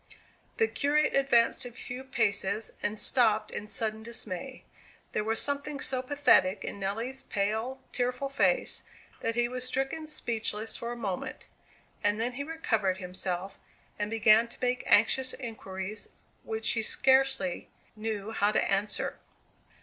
The curate advanced a few paces, and stopped in sudden dismay. There was something so pathetic in Nelly's pale, tearful face, that he was stricken speechless for a moment. And then he recovered himself, and began to make anxious inquiries which she scarcely knew how to answer.